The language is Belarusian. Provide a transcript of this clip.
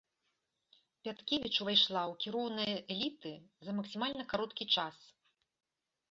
Пяткевіч увайшла ў кіроўныя эліты за максімальна кароткі час.